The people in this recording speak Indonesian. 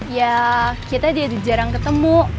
ya kita jadi jarang ketemu